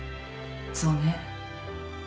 そうね。